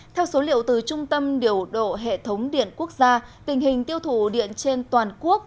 theo số liệu từ trung tâm điều độ hệ thống điện quốc gia tình hình tiêu thụ điện trên toàn quốc